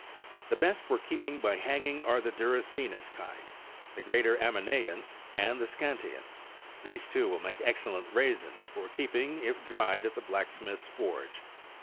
28 The best for keeping by hang ing, are the duracinus kind, the greater Aminean, and the Seantian;29 these, too, will make excellent raisins for keeping if dried at the blacksmith's forge."